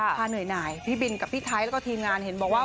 เหนื่อยพี่บินกับพี่ไทยแล้วก็ทีมงานเห็นบอกว่า